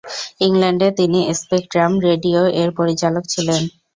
ইংল্যান্ডে তিনি স্পেকট্রাম রেডিও-এর পরিচালক ছিলেন।